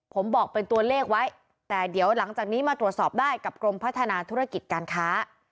ผมบอกเป็นตัวเลขไว้แต่เดี๋ยวหลังจากนี้มาตรวจสอบได้กับกรมพัฒนาธุรกิจการค้า